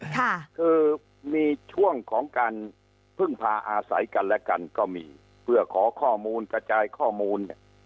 ค่ะคือมีช่วงของการพึ่งพาอาศัยกันและกันก็มีเพื่อขอข้อมูลกระจายข้อมูลเนี่ย